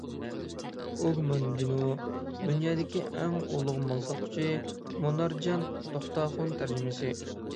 ئوگ ماندىنو: «دۇنيادىكى ئەڭ ئۇلۇغ مال ساتقۇچى»، مۇنارجان توختاخۇن تەرجىمىسى